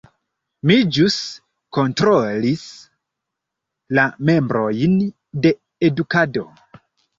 Mi ĵus kontrolis la membrojn de edukado.